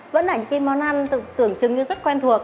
vẫn là những cái món ăn tưởng chứng như rất quen thuộc